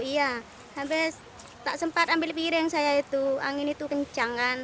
iya hampir tak sempat ambil piring saya itu angin itu kencang kan